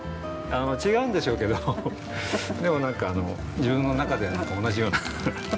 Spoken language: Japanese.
あの違うんでしょうけどでもなんか自分の中では同じような。